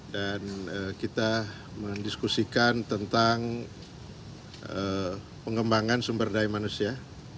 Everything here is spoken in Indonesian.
dan kita mendiskusikan tentang pengembangan sumber daya manusia